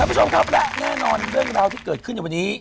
คุณผู้ชมครับและแน่นอนเรื่องราวที่เกิดขึ้นในวันนี้